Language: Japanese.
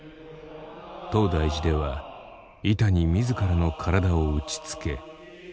東大寺では板に自らの体を打ちつけ観音菩に祈る。